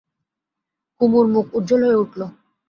কুমুর মুখ উজ্জ্বল হয়ে উঠল।